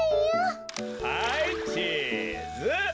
はいチーズ。